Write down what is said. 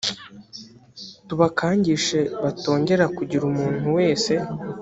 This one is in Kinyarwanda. tubakangishe batongera kugira umuntu wese